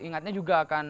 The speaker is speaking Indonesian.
ingatnya juga akan